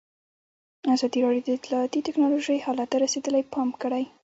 ازادي راډیو د اطلاعاتی تکنالوژي حالت ته رسېدلي پام کړی.